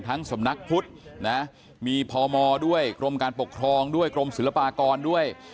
สำนักพุทธนะมีพมด้วยกรมการปกครองด้วยกรมศิลปากรด้วย